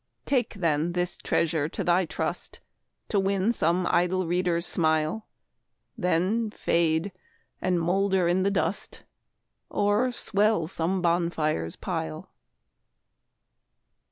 Take, then, this treasure to thy trust, To win some idle reader's smile, Then fade and moulder in the dust, Or swell some bonfire's pile.